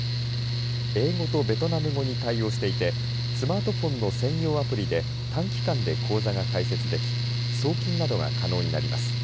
英語とベトナム語に対応していてスマートフォンの専用アプリで短期間で口座が開設でき送金などが可能になります。